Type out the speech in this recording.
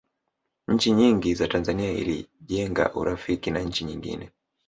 nchi nyingi za tanzania ilijenga urafiki na nchi nyingine